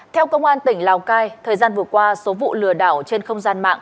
theo công an tỉnh lào cai thời gian vừa qua số vụ lừa đảo trên không gian mạng